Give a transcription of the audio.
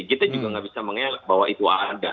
kita juga tidak bisa mengingat bahwa itu ada